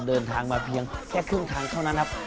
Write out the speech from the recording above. เดินทางมาเพียงแค่ครึ่งทางเท่านั้นครับ